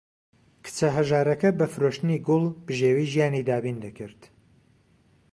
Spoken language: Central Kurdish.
کچە هەژارەکە بە فرۆشتنی گوڵ بژێوی ژیانی دابین دەکرد.